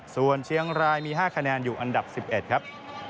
ส่วนเชียงรายมี๕คะแนนอยู่อันดับ๑๑ครับ